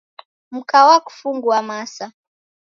Mka wakufungua masa.